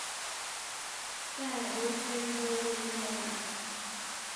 แต่ดูเป็น เบอร์ลินแพงอ่ะ